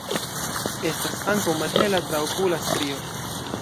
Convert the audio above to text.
Estas ankaŭ malhela traokula strio.